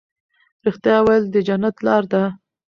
رښتیا ویل د جنت لار ده.